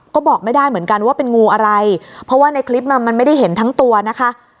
ก็บอกไม่ได้เหมือนกันว่าเป็นงูอะไรเพราะว่าในคลิปมันมันไม่ได้เห็นทั้งตัวนะคะ